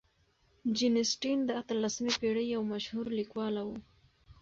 جین اسټن د اتلسمې پېړۍ یو مشهورې لیکواله وه.